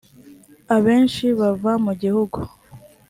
abenshi bava mu gihugu .